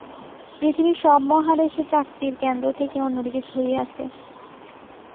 পৃথিবীর সব মহাদেশে চাকতির কেন্দ্র থেকে অন্যদিকে ছড়িয়ে আছে।